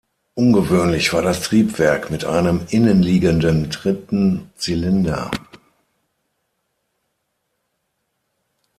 Ungewöhnlich war das Triebwerk mit einem innenliegenden dritten Zylinder.